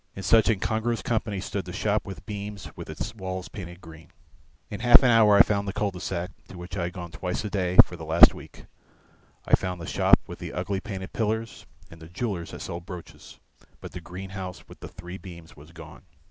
In such incongruous company stood the shop with beams with its walls painted green. In half an hour I found the cul de sac to which I had gone twice a day for the last week, I found the shop with the ugly painted pillars and the jeweller that sold brooches, but the green house with the three beams was gone.